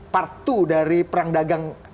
part dua dari perang dagang